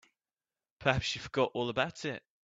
Perhaps she forgot all about it.